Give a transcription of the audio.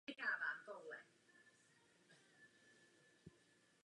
Bylo mi opravdovým potěšením.